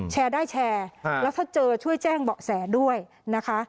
แชร์ได้แชร์แล้วถ้าเจอช่วยแจ้งเบาะแสด้วยนะคะ